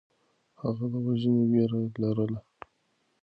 هغه د وژنې وېره لرله.